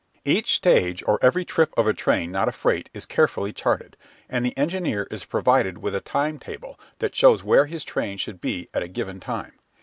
Each stage of every trip of a train not a freight is carefully charted, and the engineer is provided with a time table that shows where his train should be at a given time.